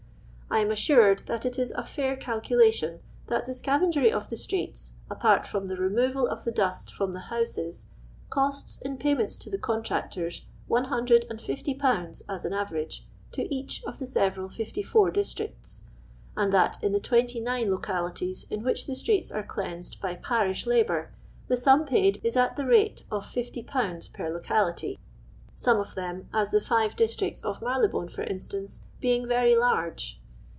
I am assured that it is a fair calculation that the scavengery of the streets, apart from the re moval of the dust from the houses, costs iu pay ments to the contract irs, 150/. as an average, to each of the several £4 districts; and that in the 2l> localities in which the i>trects ore cleansed by ))arish labour, the sum paid is at the rate of 501. per locality, some of them, as the five districts of Marylebone for instance, being very large.